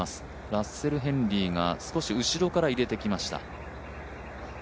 ラッセル・ヘンリーが少し後ろから入れてきました。